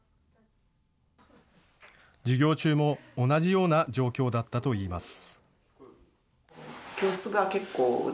授業中も同じような状況だったといいます。